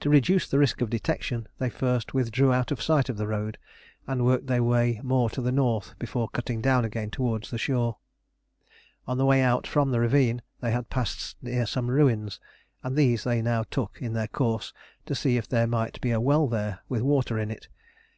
To reduce the risk of detection, they first withdrew out of sight of the road and worked their way more to the north before cutting down again towards the shore. On the way out from the ravine they had passed near some ruins, and these they now took in their course to see if there might be a well there with water in it.